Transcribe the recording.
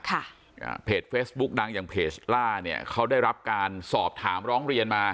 อ่าเพจเฟซบุ๊กดังอย่างเพจล่าเนี่ยเขาได้รับการสอบถามร้องเรียนมา